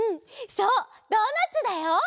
そうドーナツだよ！